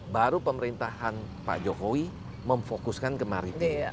baru pemerintahan pak jokowi memfokuskan ke maritim